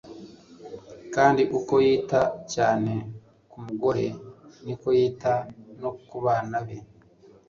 kandi uko yita cyane kumugore niko yita no kubana be